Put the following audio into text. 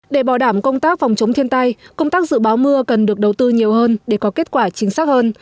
để bảo đảm công tác phòng chống thiên tai công tác dự báo mưa cần được đầu tư nhiều hơn để có kết quả chính xác hơn